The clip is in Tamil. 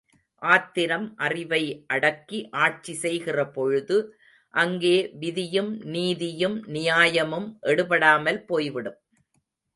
ஆத்திரம் அறிவை அடக்கி ஆட்சி செய்கிறபொழுது, அங்கே விதியும், நீதியும், நியாயமும் எடுபடாமல் போய்விடும்.